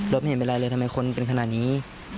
ไม่เห็นเป็นไรเลยทำไมคนเป็นขนาดนี้